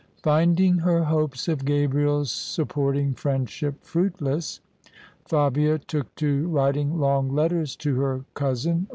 Finding her hopes of Gabriel's supporting friendship fruitless, Fabia took to writing long letters to her cousin.